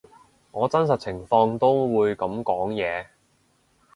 我真實情況都會噉講嘢